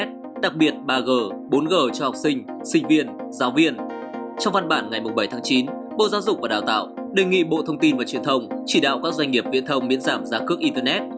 trong văn bản ngày bảy tháng chín bộ giáo dục và đào tạo đề nghị bộ thông tin và truyền thông chỉ đạo các doanh nghiệp viễn thông miễn giảm giá cước internet